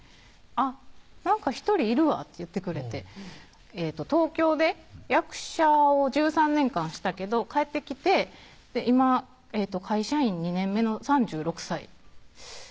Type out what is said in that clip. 「あっなんか１人いるわ」って言ってくれて「東京で役者を１３年間したけど帰ってきて今会社員２年目の３６歳」